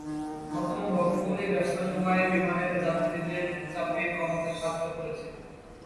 নতুন ভবনগুলি ব্যস্ত সময়ে বিমানের যাত্রীদের চাপে কমাতে সাহায্য করেছে।